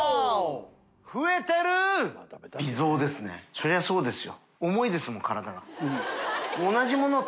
それはそうですよ。